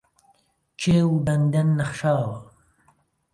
کێو و بەندەن نەخشاوە